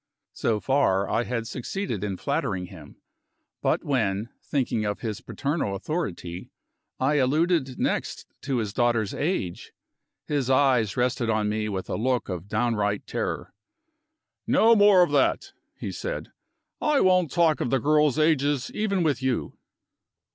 So far, I had succeeded in flattering him. But when (thinking of his paternal authority) I alluded next to his daughter's age, his eyes rested on me with a look of downright terror. "No more of that!" he said. "I won't talk of the girls' ages even with you."